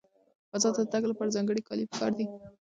فضا ته د تګ لپاره ځانګړي کالي پکار دي.